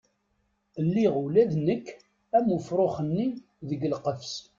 Lliɣ ula d nekk am ufrux-nni deg lqefs.